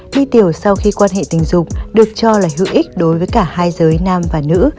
thi tiểu sau khi quan hệ tình dục được cho là hữu ích đối với cả hai giới nam và nữ